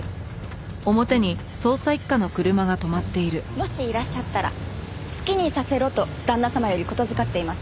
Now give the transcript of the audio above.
もしいらっしゃったら好きにさせろと旦那様より言付かっています。